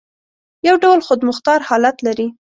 یو ډول خودمختار حالت لري.